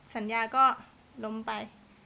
สัญญาก็ล้มไป